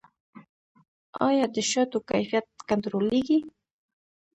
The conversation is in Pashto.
آیا د شاتو کیفیت کنټرولیږي؟